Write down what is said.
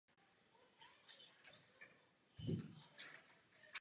V italské lize skončilo Lazio druhé.